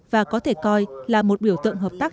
và có thể coi là một biểu tượng hợp tác